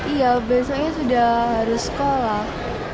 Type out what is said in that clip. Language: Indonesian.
iya besoknya sudah harus sekolah